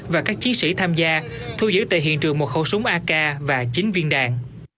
và các chiến sĩ tham gia thu giữ tại hiện trường một khẩu súng ak và chín viên đạn